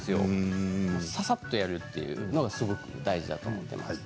ささっとやるのがすごく大事だと思います。